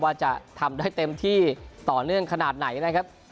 ว่าจะทำได้เต็มที่ต่อเนื่องขนาดไหนนะครับ